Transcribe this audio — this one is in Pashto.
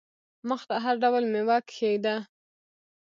مخ ته هر ډول مېوه کښېږده !